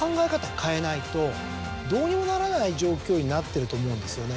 変えないとどうにもならない状況になってると思うんですよね。